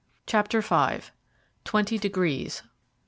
Chapter V. TWENTY DEGREES.